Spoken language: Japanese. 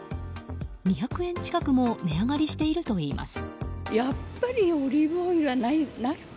２００円近くも値上がりしているといいます。